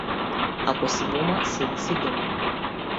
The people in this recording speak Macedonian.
Ако си мома, седи си дома.